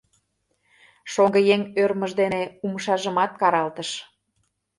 Шоҥгыеҥ ӧрмыж дене умшажымат каралтыш.